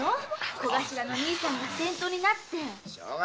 小頭の兄さんが先頭になって。